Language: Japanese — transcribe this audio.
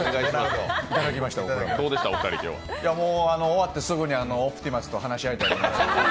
終わってすぐにオプティマスと話し合いたいと思います。